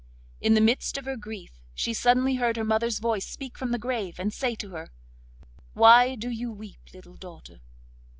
In the midst of her grief she suddenly heard her mother's voice speak from the grave, and say to her: 'Why do you weep, little daughter?